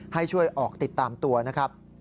ให้ช่วยออกติดตามตัวนะครับ